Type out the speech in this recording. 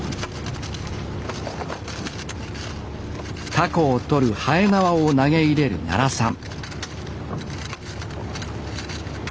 タコを取るはえなわを投げ入れる奈良さん